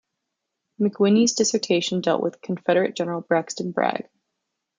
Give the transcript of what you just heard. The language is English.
McWhiney's dissertation dealt with Confederate General Braxton Bragg.